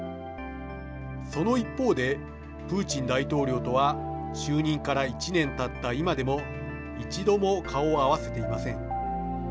その一方でプーチン大統領とは就任から１年たった今でも一度も顔を合わせていません。